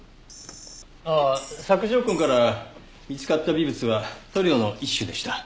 索条痕から見つかった微物は塗料の一種でした。